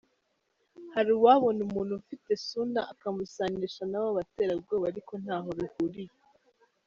Hari uwabona umuntu ufite “suna” akamusanisha n’abo baterabwoba ariko ntaho bihuriye.